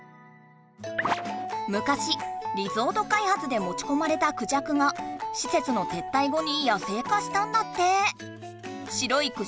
むかしリゾート開発でもちこまれたクジャクがしせつの撤退後に野生化したんだって。